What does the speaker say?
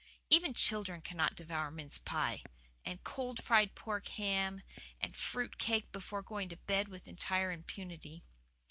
Even children cannot devour mince pie, and cold fried pork ham, and fruit cake before going to bed with entire impunity.